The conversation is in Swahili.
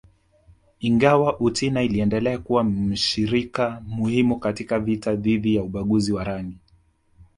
Ingawa Uchina iliendelea kuwa mshirika muhimu katika vita dhidi ya ubaguzi wa rangi